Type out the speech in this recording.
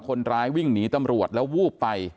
คนร้ายวิ่งหนีตำรวจแล้ววูบไป